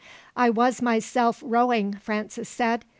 "I was myself rowing," Francis said.